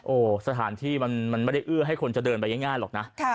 โอ้โหสถานที่มันไม่ได้เอื้อให้คนจะเดินไปง่ายหรอกนะ